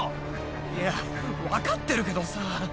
いや分かってるけどさ。